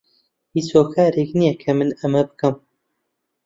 هیچ هۆکارێک نییە کە من ئەمە بکەم.